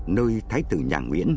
nơi thái tử nhà nguyễn